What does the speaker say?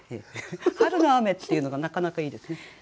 「春の雨」っていうのがなかなかいいですね。